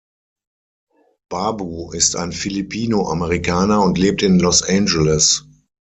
Babu ist ein Filipino-Amerikaner und lebt in Los Angeles.